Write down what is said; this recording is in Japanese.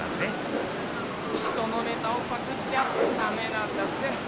人のネタをパクっちゃダメなんだぜっ！